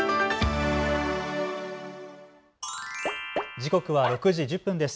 時刻は６時１０分です。